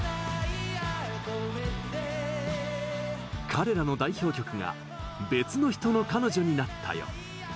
彼らの代表曲が「別の人の彼女になったよ」。